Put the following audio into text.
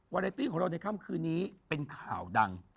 เรตตี้ของเราในค่ำคืนนี้เป็นข่าวดัง